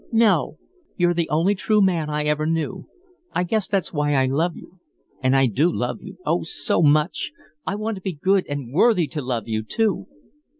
"No. You're the only true man I ever knew. I guess that's why I love you. And I do love you, oh, so much! I want to be good and worthy to love you, too."